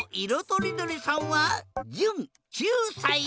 とりどりさんはじゅん９さい。